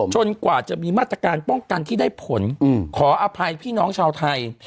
กว่าจะมีมาตรการป้องกันที่ได้ผลขออภัยพี่น้องชาวไทย